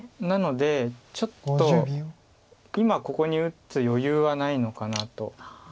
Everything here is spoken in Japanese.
なのでちょっと今ここに打つ余裕はないのかなと。